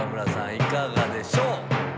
いかがでしょう？